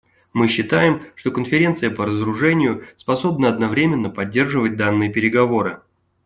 Мы считаем, что Конференция по разоружению способна одновременно поддерживать данные переговоры.